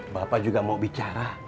bapak juga mau bicara